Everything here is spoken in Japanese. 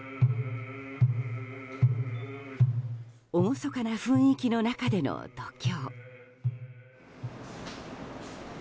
厳かな雰囲気の中での読経。